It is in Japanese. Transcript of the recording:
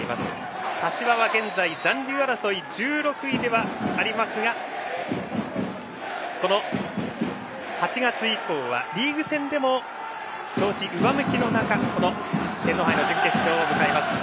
柏は現在残留争い１６位ではありますがこの８月以降はリーグ戦でも調子が上向きの中天皇杯の準決勝を迎えます。